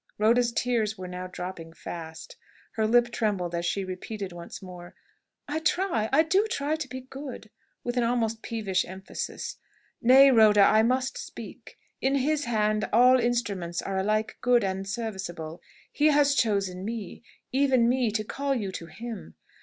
Rhoda's tears were now dropping fast. Her lip trembled as she repeated once more, "I try I do try to be good," with an almost peevish emphasis. "Nay, Rhoda, I must speak. In His hand all instruments are alike good and serviceable. He has chosen me, even me, to call you to Him.